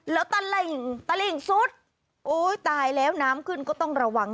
แล้วตาลิ่งตาลิ่งสุดอุ๊ยตายแล้วน้ำขึ้นก็ต้องระวัง